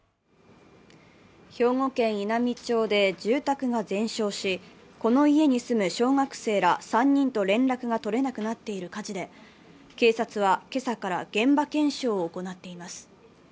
兵庫県稲美町で住宅が全焼しこの家に住む小学生ら３人と連絡が取れなくなっている火事で警察は今朝から現場検証を行っています。